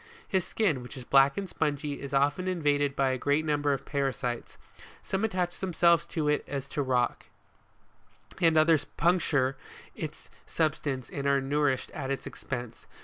His skin, which is black and spongy, is often in vaded by a great number of parasites. Some attach themselves to it as to a rock, and others penetrate into its substance and are nourished at its expense.